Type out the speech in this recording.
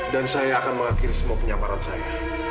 dan saya akan mengakhiri semua penyamaran saya